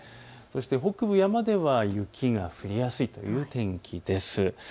そして北部、山では雪が降りやすいという天気です。